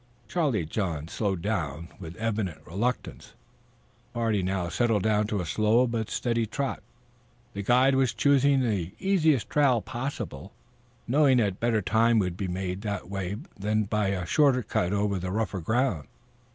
Charlie John slowed down with evident reluctance. The party now settled down to a slow but steady trot. The guide was choosing the easiest trail possible, knowing that better time would be made that way than by a shorter cut over rougher ground.